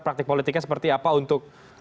praktik politiknya seperti apa untuk